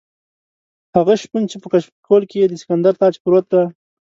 هغه شپون چې په کچکول کې یې د سکندر تاج پروت دی.